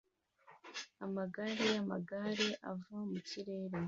Amagare yamagare ava mu kirere